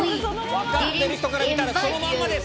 分かってる人から見たらそのまんまです！